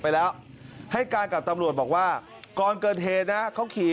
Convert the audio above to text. ไปแล้วให้การกับตำรวจบอกว่าก่อนเกิดเหตุนะเขาขี่